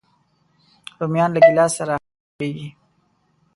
رومیان له ګیلاس سره ښه نه جوړيږي